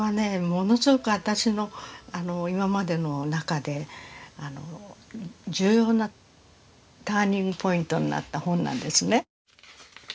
ものすごく私の今までの中で重要なターニングポイントになった本なんですね。